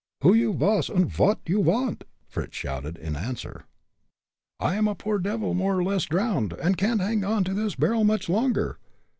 who you vas, und vot you vant?" Fritz shouted, in answer. "I am a poor devil more or less drowned, and can't hang on to this barrel much longer.